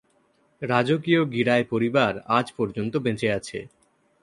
রাজকীয় গিরায় পরিবার আজ পর্যন্ত বেঁচে আছে।